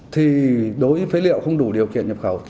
thì đối với phế liệu không đủ điều kiện nhập khẩu